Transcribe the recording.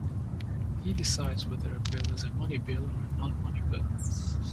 He decides whether a bill is a money bill or a non-money bill.